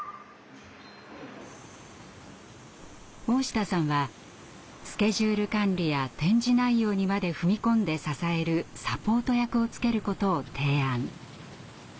大下さんはスケジュール管理や展示内容にまで踏み込んで支えるサポート役をつけることを提案。